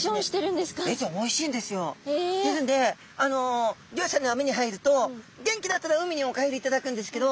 あの漁師さんのあみに入ると元気だったら海にお帰りいただくんですけど